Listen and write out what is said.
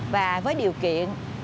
và với điều kiện